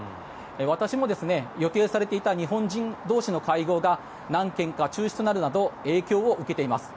私も、予定されていた日本人同士の会合が何件か中止となるなど影響を受けています。